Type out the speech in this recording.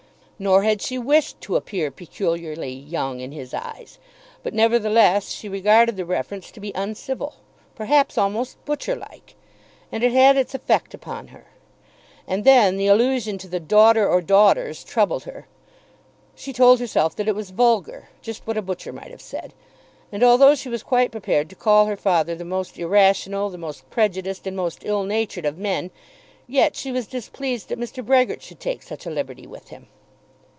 Nor had she wished to appear peculiarly young in his eyes. But, nevertheless, she regarded the reference to be uncivil, perhaps almost butcher like, and it had its effect upon her. And then the allusion to the "daughter or daughters" troubled her. She told herself that it was vulgar, just what a butcher might have said. And although she was quite prepared to call her father the most irrational, the most prejudiced, and most ill natured of men, yet she was displeased that Mr. Brehgert should take such a liberty with him.